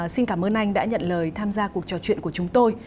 xin cảm ơn anh đã nhận lời tham gia cuộc trò chuyện của chúng tôi